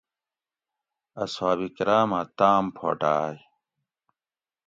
اصحاب کرام اۤ تاۤم پھوٹائ